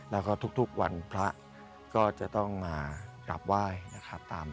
แล้วก็ทุกวันพระก็จะต้องมากราบไหว้นะครับ